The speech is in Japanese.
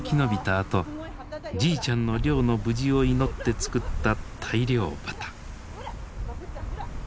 あとじいちゃんの漁の無事を祈って作った大漁旗。